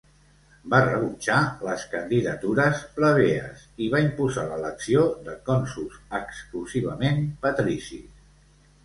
Va rebutjar les candidatures plebees i va imposar l'elecció de cònsols exclusivament patricis.